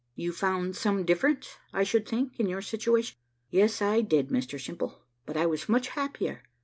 "You found some difference, I should think, in your situation?" "Yes I did, Mr Simple: but I was much happier.